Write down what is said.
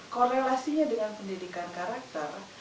korelasinya dengan pendidikan karakter